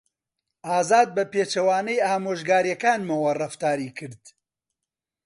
ئازاد بەپێچەوانەی ئامۆژگارییەکانمانەوە ڕەفتاری کرد.